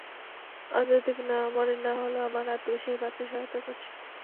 আন্তর্জাতিক মানের না হলেও আমার আত্মবিশ্বাস বাড়াতে সহায়তা করছে।